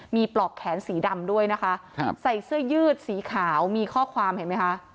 มีปลอกแขนสีดำด้วยนะคะใส่เสื้อยืดสีขาวมีข้อความเห็นไหมคะ